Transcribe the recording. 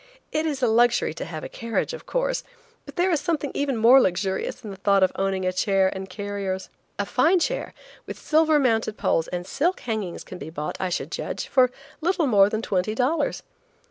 It is a luxury to have a carriage, of course, but there is something even more luxurious in the thought of owning a chair and carriers. A fine chair with silver mounted poles and silk hangings can be bought, I should judge, for a little more than twenty dollars.